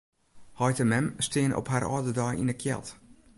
Heit en mem steane op har âlde dei yn 'e kjeld.